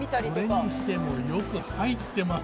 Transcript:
それにしてもよく入ってますね。